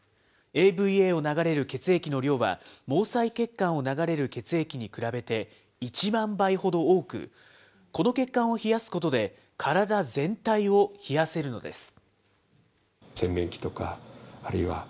ＡＶＡを流れる血液の量は、毛細血管を流れる血液に比べて、１万倍ほど多く、この血管を冷やすことで、体全体を冷やせるのです。